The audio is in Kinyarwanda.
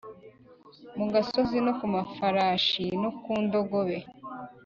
Mu gasozi no ku mafarashi no ku ndogobe